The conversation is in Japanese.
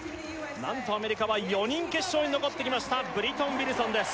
何とアメリカは４人決勝に残ってきましたブリトン・ウィルソンです